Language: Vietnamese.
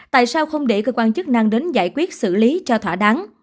tại sao không để cơ quan chức năng đến giải quyết xử lý cho thỏa đáng